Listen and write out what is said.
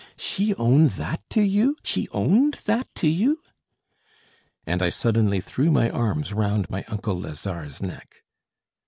"She owned that to you, she owned that to you!" And I suddenly threw my arms round my uncle Lazare's neck.